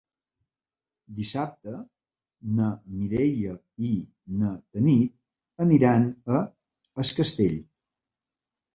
Dissabte na Mireia i na Tanit aniran a Es Castell.